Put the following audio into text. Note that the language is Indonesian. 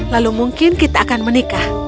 lalu mungkin kita akan menikah